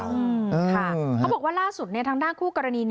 เขาบอกว่าล่าสุดทางด้านคู่กรณี